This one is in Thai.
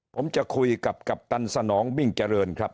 ผมจะคุยกับกัปตันสนองบิ้งเจริญครับ